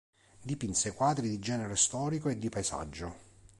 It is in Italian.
Dipinse quadri di genere storico e di paesaggio.